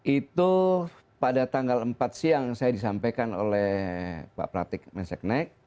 itu pada tanggal empat siang saya disampaikan oleh pak pratik menseknek